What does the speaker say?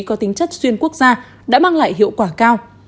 có tính chất xuyên quốc gia đã mang lại hiệu quả cao